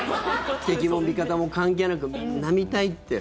敵も味方も関係なくみんな見たいって。